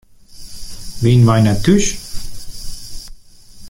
Wienen wy net thús?